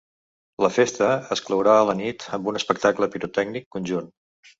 La festa es clourà a la nit amb un espectacle pirotècnic conjunt.